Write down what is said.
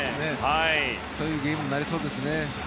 そういうゲームになりそうですね。